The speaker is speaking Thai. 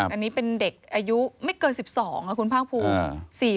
อันนี้เป็นเด็กอายุไม่เกิน๑๒คุณภาคภูมิ